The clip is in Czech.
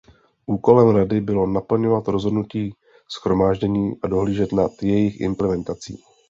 Úkolem Rady bylo naplňovat rozhodnutí Shromáždění a dohlížet nad jejich implementací.